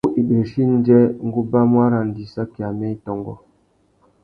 Ku ibirichi indjê, ngu ubamú arandissaki amê i tôngô.